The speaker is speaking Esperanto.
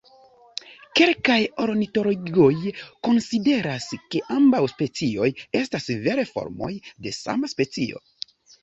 Kelkaj ornitologoj konsideras, ke ambaŭ specioj estas vere formoj de sama specio.